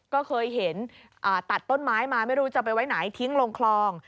ก็เคยเห็นตัดต้นไม้มาไม่รู้จะไปไว้ไหนทิ้งลงคลอง